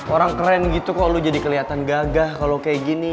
orang keren gitu kok lo jadi kelihatan gagah kalau kayak gini